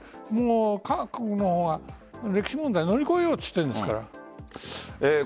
過去の歴史問題を乗り越えようと言っているんですから。